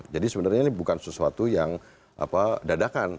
jadi sebenarnya ini bukan sesuatu yang dadakan